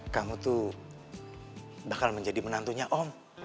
kamu tuh bakal menjadi menantunya om